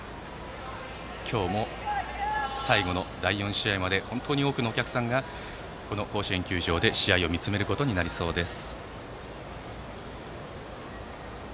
今日も、最後の第４試合まで本当に多くのお客さんがこの甲子園球場で試合を見つめることになりそうです。